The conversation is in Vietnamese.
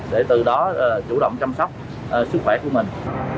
để từ đó chủ động chăm sóc sức khỏe của mình